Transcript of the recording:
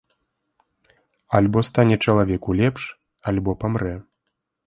Альбо стане чалавеку лепш, альбо памрэ.